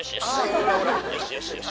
よしよしよし。